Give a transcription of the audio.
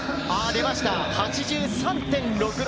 出ました、８３．６６。